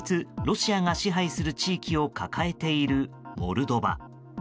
ロシアが支配する地域を抱えているモルドバ。